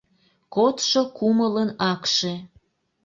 Кодшо кумылын акше